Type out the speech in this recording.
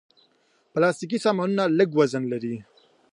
پلاستيکي سامانونه لږ وزن لري.